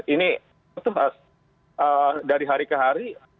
ini dari hari ke hari